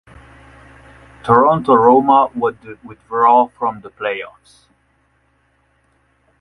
Toronto Roma would withdraw from the playoffs.